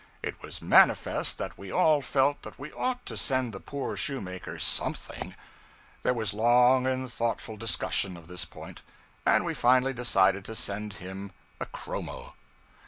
It was manifest that we all felt that we ought to send the poor shoemaker something. There was long and thoughtful discussion of this point; and we finally decided to send him a chromo.